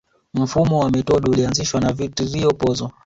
Mfumo wa metodo ulianzishwa na Vittorio Pozzo